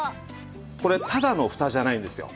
これただのフタじゃないんですよ。